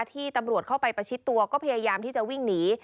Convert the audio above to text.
ที่ตำรวจเข้าไปประชิดตัวก็พยายามที่จะวิ่งหนี